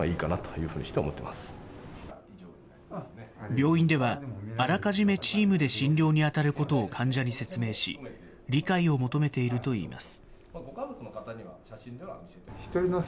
病院では、あらかじめチームで診療に当たることを患者に説明し、理解を求めているといいます。